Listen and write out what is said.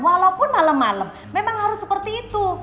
walaupun malem malem memang harus seperti itu